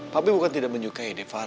papi bukan tidak menyukai deva